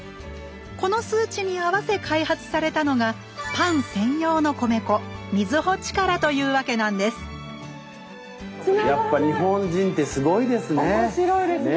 この数値に合わせ開発されたのがパン専用の米粉「ミズホチカラ」というわけなんですやっぱ日本人ってすごいですね。